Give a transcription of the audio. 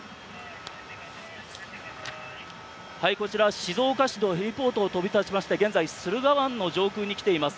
こちら、静岡市のヘリポートを飛び立ちまして現在、駿河湾の上空に来ています。